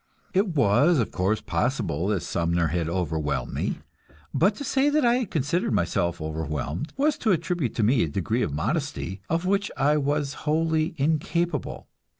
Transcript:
It was, of course, possible that Sumner had overwhelmed me, but to say that I had considered myself overwhelmed was to attribute to me a degree of modesty of which I was wholly incapable.